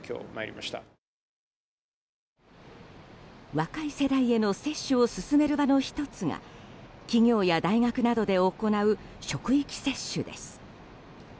若い世代への接種を進める場の１つが企業や大学などで行う職域接種です。